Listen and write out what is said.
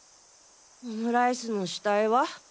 オムライスの死体は？